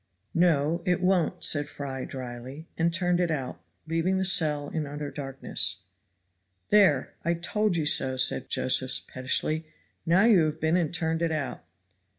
"No, it won't," said Fry dryly, and turned it out, leaving the cell in utter darkness. "There, I told you so," said Josephs pettishly, "now you have been and turned it out."